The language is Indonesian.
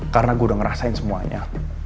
karena gua udah ngerasain semuanya